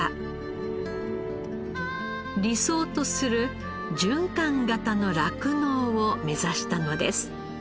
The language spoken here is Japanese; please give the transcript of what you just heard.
理想とする循環型の酪農を目指したのです。